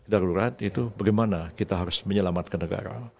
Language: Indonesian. darurat itu bagaimana kita harus menyelamatkan negara